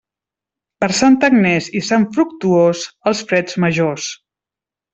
Per Santa Agnés i Sant Fructuós, els freds majors.